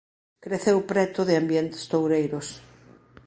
Creceu preto de ambientes toureiros.